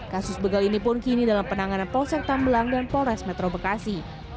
kasus begal ini pun kini dalam penanganan polsek tambelang dan polres metro bekasi